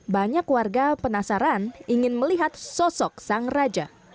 banyak warga penasaran ingin melihat sosok sang raja